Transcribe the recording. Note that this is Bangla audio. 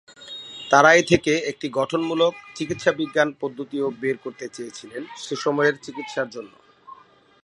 তারা এ থেকে একটি গঠনমূলক চিকিৎসা বিজ্ঞান পদ্ধতিও বের করতে চেয়েছিলেন সে সময়ের চিকিৎসার জন্য।